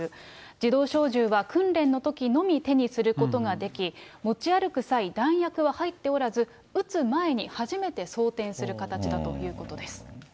自動小銃は訓練のときのみ手にすることができ、持ち歩く際、弾薬は入っておらず、撃つ前に初めて装填する形だということです。